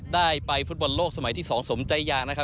ได้ไปเพาต์บอลโลกสมัยที่๒สมใจอย่าง